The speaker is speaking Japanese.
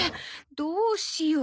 どうしよう？